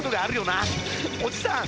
なおじさん